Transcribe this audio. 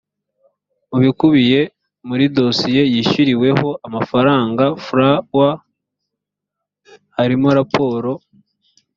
mu bikubiye muri dosiye yishyuriweho amafaranga frw harimo raporo